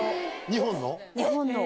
日本の？